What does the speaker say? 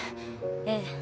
ええ。